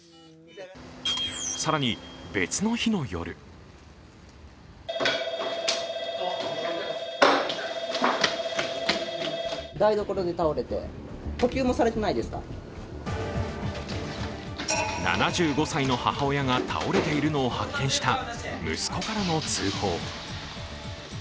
更に別の日の夜７５歳の母親が倒れているのを発見した息子からの通報。